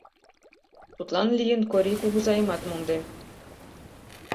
Тудлан лийын Корий кугызайымат мондем.